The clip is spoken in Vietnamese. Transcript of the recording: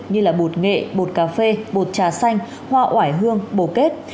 như là bột nghệ bột cà phê bột trà xanh hoa ỏi hương bổ kết